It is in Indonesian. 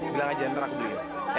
bilang aja yang terang dulu ya